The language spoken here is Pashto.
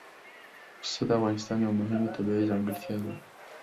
پسه د افغانستان یوه مهمه طبیعي ځانګړتیا ده.